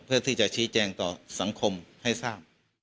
เพื่อที่จะชี้แจงต่อสังคมให้ทราบ